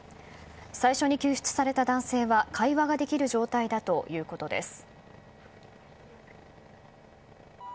最初に救出された男性は会話ができる状態だということです。